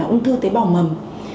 ung thư tế bào mầm